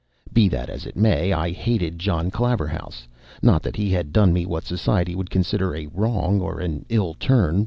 Be that as it may, I hated John Claverhouse. Not that he had done me what society would consider a wrong or an ill turn.